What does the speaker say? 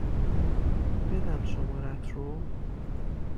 بدم شمارهات رو؟